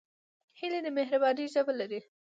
هیلۍ د مهربانۍ ژبه لري